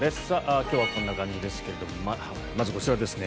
今日はこんな感じですけどまず、こちらですね。